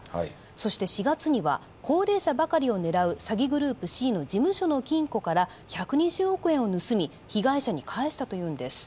そして４月には高齢者ばかりを狙う詐欺グループＣの事務所の金庫から１２０億円を盗み被害者に返したというんです